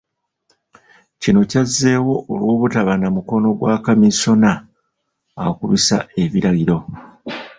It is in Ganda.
Kino kyazzeewo olw'obutaba na mukono gwa Kamisona akubisa ebirayiro.